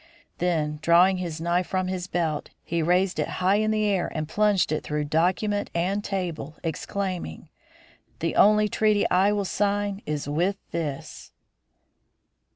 Then, drawing his knife from his belt, he raised it high in the air and plunged it through document and table, exclaiming, "The only treaty I will sign is with this!"